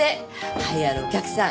栄えあるお客さん